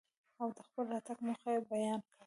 او دخپل راتګ موخه يې بيان کره.